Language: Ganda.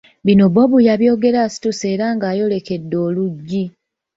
Bino Bob yabyogera asituse ng’era ayolekedde oluggi.